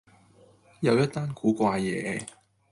又一單古怪野